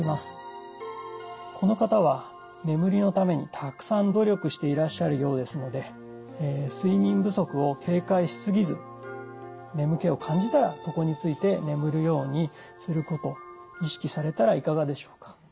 この方は眠りのためにたくさん努力していらっしゃるようですので睡眠不足を警戒しすぎず眠気を感じたら床に就いて眠るようにすることを意識されたらいかがでしょうか。